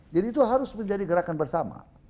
jadi itu harus menjadi gerakan bersama